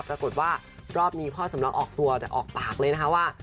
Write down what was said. ปรากฏว่ารอบนี้พ่อสำรองออกตัวแต่ออกปากเลยนะคะว่า